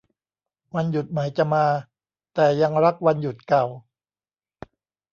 วันหยุดใหม่จะมา แต่ยังรักวันหยุดเก่า